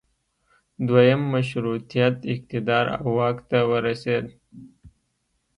دویم مشروطیت اقتدار او واک ته ورسید.